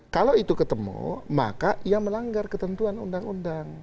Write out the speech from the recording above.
kalau itu ketemu maka ia melanggar ketentuan undang undang